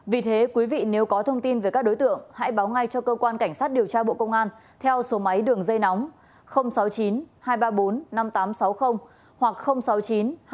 vì thế quý vị nếu có thông tin về các đối tượng hãy báo ngay cho cơ quan cảnh sát điều tra bộ công an theo số máy đường dây nóng sáu mươi chín hai trăm ba mươi bốn năm nghìn tám trăm sáu mươi hoặc sáu mươi chín hai trăm ba mươi một hai nghìn sáu trăm bảy